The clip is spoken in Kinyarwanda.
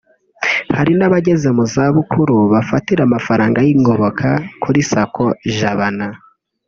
Hari n’abageze mu zabukuru bafatira amafaranga y’ingoboka kuri Sacco Jabana